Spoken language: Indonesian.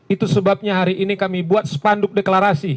itu sebabnya hari ini kami buat spanduk deklarasi